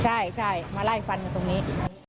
ใช่มาไล่ฟันกันตรงนี้